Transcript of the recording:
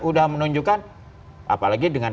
udah menunjukkan apalagi dengan